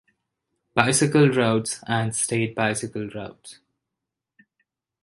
Bicycle Routes and state bicycle routes.